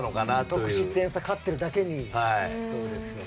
得失点差勝ってるだけに。